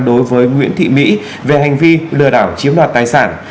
đối với nguyễn thị mỹ về hành vi lừa đảo chiếm đoạt tài sản